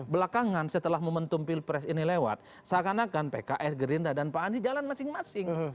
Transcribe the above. belakangan setelah momentum pilpres ini lewat seakan akan pks gerindra dan pak andi jalan masing masing